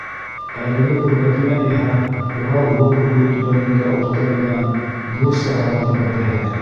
Әлеге күргәҙмә иһә — Урал-Волга буйы төбәгендә үткәрелгән ҙур сараларҙың береһе.